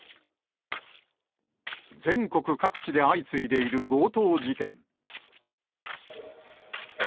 全国各地で相次いでいる強盗事件。